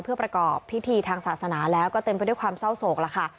เพื่อประกอบพิธีทางศาสนาแล้วก็เต็มไปด้วยความเศร้าโศกแล้วค่ะ